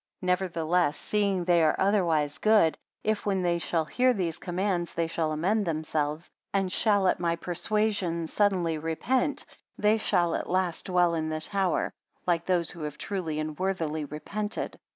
62 Nevertheless, seeing they are otherwise good, if when they shall hear these commands they shall amend themselves, and shall at my persuasion suddenly repent; they shall at last dwell in the tower, like those who have truly and worthily repented.